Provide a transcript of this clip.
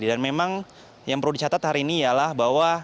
dan memang yang perlu dicatat hari ini ialah bahwa